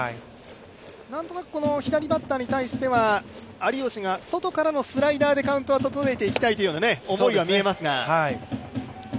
何となく左バッターに対しては、有吉が外からのスライダーでカウントは整えていきたいという思いは見えますが。